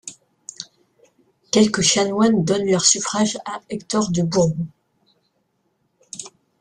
Quelques chanoines donnent leur suffrage à Hector de Bourbon.